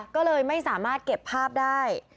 ก็เลยไม่สามารถเก็บภาพได้